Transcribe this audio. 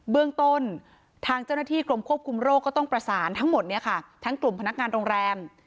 เรื่องต้นทางเจ้าหน้าที่กรมควบคุมโรคก็ต้องประสานทั้งหมดทั้งกลุ่มพนักงานโรงแรม